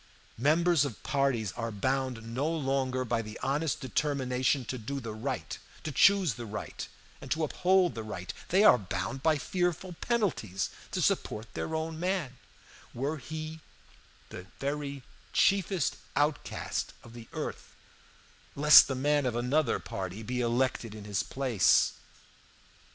"Members of parties are bound no longer by the honest determination to do the right, to choose the right, and to uphold the right they are bound by fearful penalties to support their own man, were he the very chiefest outcast of the earth, lest the man of another party be elected in his place.